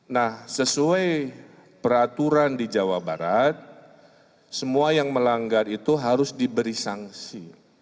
nah sesuai peraturan di jawa barat semua yang melanggar itu harus diberi sanksi